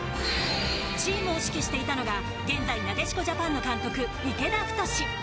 チームを指揮していたのが現在なでしこジャパンの監督池田太。